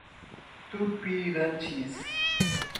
Tupiratins